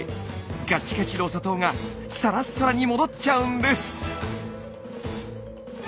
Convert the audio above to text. ガッチガチの砂糖がサラッサラに戻っちゃうんです。